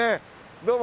どうも。